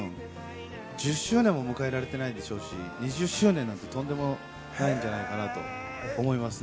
それがなかったら、たぶん１０周年も迎えられてないでしょうし、２０周年なんてとんでもないんじゃないかなと思いますね。